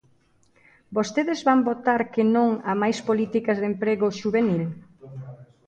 Vostedes van votar que non a máis políticas de emprego xuvenil.